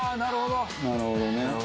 「なるほどね」